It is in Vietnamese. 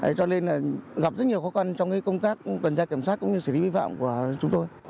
cho nên gặp rất nhiều khó khăn trong công tác tuần tra kiểm soát cũng như xử lý vi phạm của chúng tôi